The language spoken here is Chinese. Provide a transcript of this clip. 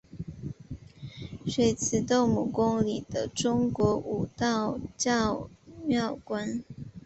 水碓斗母宫里的中国式道教庙观。